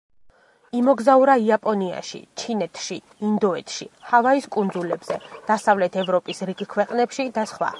იმოგზაურა იაპონიაში, ჩინეთში, ინდოეთში, ჰავაის კუნძულებზე, დასავლეთ ევროპის რიგ ქვეყნებში და სხვა.